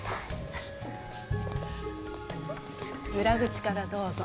裏口からどうぞ。